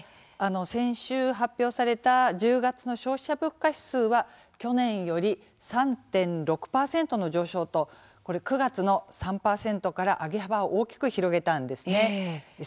先週、発表された１０月の消費者物価指数は去年より３．６％の上昇と９月の３％から上げ幅を大きく広げたんです。